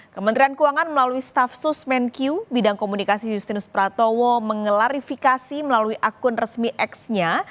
kementerian keuangan melalui staf sus menq bidang komunikasi justinus pratowo mengklarifikasi melalui akun resmi x nya